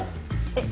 えっ？